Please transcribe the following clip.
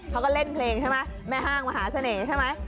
เขาก็เล่นเพลงใช่ไหมแม่ห้างมหาเสน่ห์ใช่ไหม